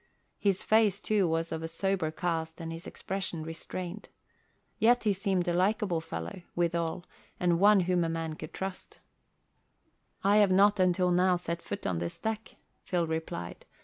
His face, too, was of a sober cast and his expression restrained. Yet he seemed a likable fellow, withal, and one whom a man could trust. "I have not until now set foot on this deck," Phil replied.